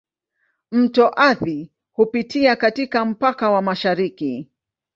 Mto Athi hupitia katika mpaka wa mashariki.